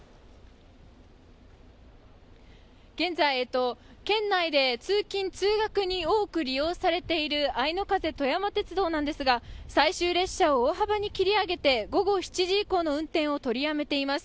現在、県内で通勤・通学に多く利用されているあいの風とやま鉄道ですが最終列車を大幅に切り上げて、午後７時以降の運転を取りやめています。